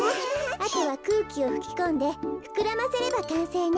あとはくうきをふきこんでふくらませればかんせいね。